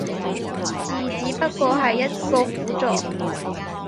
字只不過係一個輔助